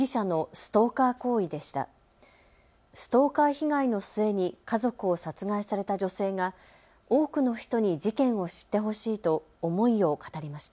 ストーカー被害の末に家族を殺害された女性が多くの人に事件を知ってほしいと思いを語りました。